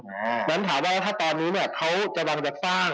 งั้นถามว่าแบบตอนนี้เนี่ยเขาต้องจะสร้าง